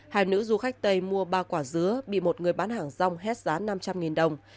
hai nữ du khách tây mua ba quả dứa bị một người bán hàng rong hết giá năm trăm linh đồng